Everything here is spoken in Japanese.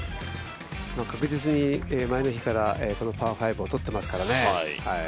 確実に前の日からこのパー５をとっていますからね。